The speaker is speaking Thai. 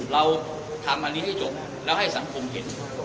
เราทำอันนี้ให้จบแล้วให้สังคมเห็น